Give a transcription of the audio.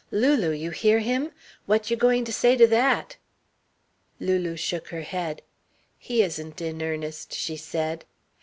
"Lulu! You hear him? What you going to say to that?" Lulu shook her head. "He isn't in earnest," she said.